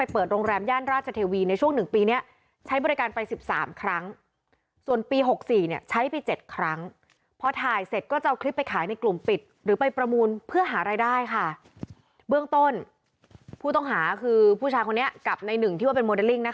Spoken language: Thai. พอถ่ายเสร็จก็จะเอาคลิปไปขายในกลุ่มปิดหรือไปประมูลเพื่อหารายได้ค่ะเบื้องต้นผู้ต้องหาคือผู้ชายคนนี้กลับในหนึ่งที่ว่าเป็นโมเดลลิ่งนะคะ